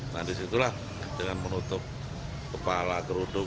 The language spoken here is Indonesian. nah disitulah dengan menutup kepala kerudung